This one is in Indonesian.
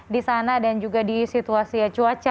di sana dan juga di situasi cuaca